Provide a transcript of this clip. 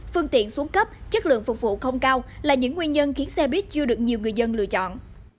phương tiện xuống cấp chất lượng phục vụ không cao là những nguyên nhân khiến xe buýt chưa được nhiều người dân lựa chọn